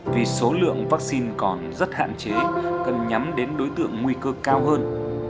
vì số lượng vaccine còn rất hạn chế cần nhắm đến đối tượng nguy cơ cao hơn